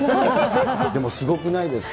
でもすごくないですか。